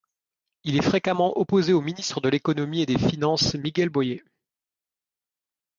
Il est fréquemment opposé au ministre de l'Économie et des Finances Miguel Boyer.